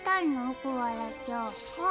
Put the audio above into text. コアラちゃん。